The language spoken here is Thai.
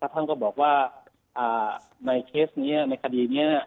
ท่านก็บอกว่าในเคสนี้ในคดีนี้